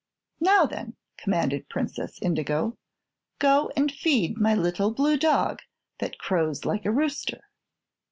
"Now, then," commanded Princess Indigo, "go and feed my little blue dog that crows like a rooster."